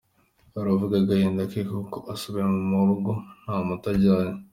Aravuga agahinda ke k’uko asubiye mu rugo nta muti ajyanye.